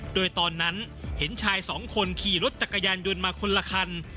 โดยตอนนั้นเห็นชายสองคนขี่รถจักรยานยนต์มาคนละคัน